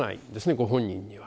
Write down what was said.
ご本人には。